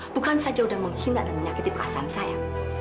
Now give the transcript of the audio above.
bukan saja sudah menghina dan menyakiti perasaan saya